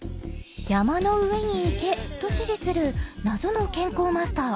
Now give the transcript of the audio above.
［「山の上に行け」と指示する謎の健康マスター］